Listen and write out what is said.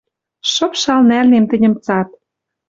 Шыпшал нӓлнем тӹньӹм цат!